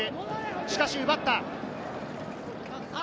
しかし、奪った！